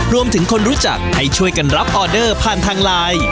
คนรู้จักให้ช่วยกันรับออเดอร์ผ่านทางไลน์